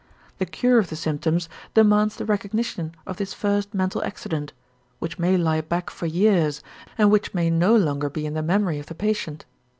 The cure of the symptoms demands the recognition of this first mental accident, which may lie back for years and which may no longer be in the memory of the patient.